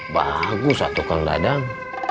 bagus or enak kang dadang